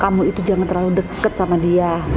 kamu itu jangan terlalu dekat sama dia